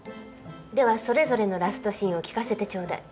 ではそれぞれのラストシーンを聞かせてちょうだい。